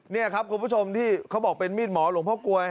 นี่ครับคุณผู้ชมที่เขาบอกเป็นมีดหมอหลวงพ่อกลวย